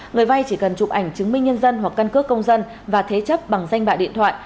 người vay chỉ cần chụp ảnh chứng minh nhân dân hoặc căn cước công dân và thế chấp bằng danh bạ điện thoại